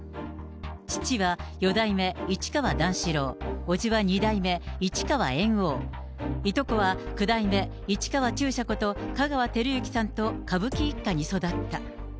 父は四代目市川段四郎、おじは二代目市川猿翁、いとこは九代目市川中車こと香川照之さんと歌舞伎一家に育った。